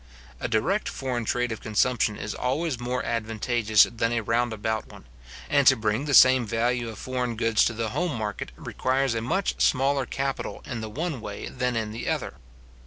A direct foreign trade of consumption is always more advantageous than a round about one; and to bring the same value of foreign goods to the home market requires a much smaller capital in the one way than in the ether.